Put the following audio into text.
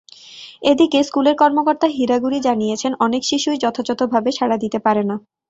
এদিকে, স্কুলের কর্মকর্তা হিরাগুরি জানিয়েছেন, অনেক শিশুই যথাযথভাবে সাড়া দিতে পারে না।